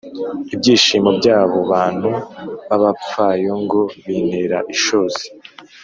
ibyishimo by’abo bantu b’abapfayongo bintera ishozi